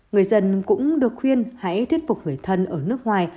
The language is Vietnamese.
người dân cũng được khuyên hãy thuyết phục người thân ở nước ngoài